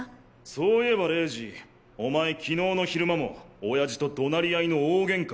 そういえば玲二お前昨日の昼間も親父と怒鳴り合いの大げんかを。